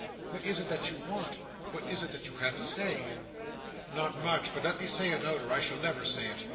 "What is it that you want? What is it that you have to say?" "Not much, but let me say it out, or I shall never say it.